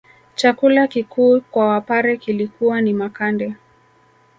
Chakula kikuu kwa wapare kilikuwa ni makande